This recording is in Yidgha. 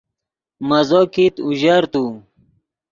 مزو کیت اوژر تو